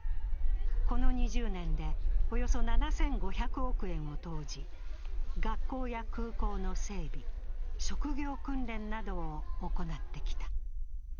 この２０年でおよそ７５００億円を投じ学校や空港の整備、職業訓練などを行ってきた。